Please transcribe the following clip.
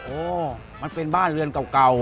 โอ้มันเป็นบ้านเรือนเก่า